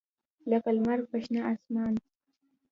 لکه لمر په شنه اسمان